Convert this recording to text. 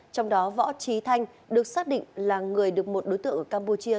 trong đó võ trí thanh được xác định là người được một đối tượng ở campuchia